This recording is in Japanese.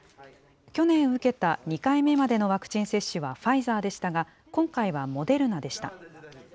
去年受けた２回目までのワクチン接種はファイザーでしたが、今回はモデルナでした。